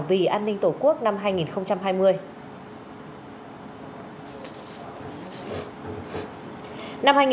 vì an ninh tổ quốc năm hai nghìn hai mươi